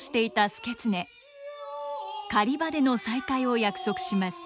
狩場での再会を約束します。